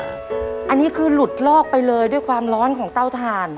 อันนี้คือหลุดลอกไปเลยด้วยความร้อนของเต้าทาน